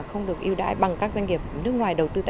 hơn ba mươi doanh nghiệp tư nhân cho biết